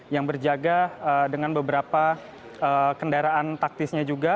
yang berjaga dengan beberapa kendaraan taktisnya juga